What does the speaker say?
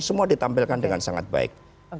semua ditampilkan dengan sangat baik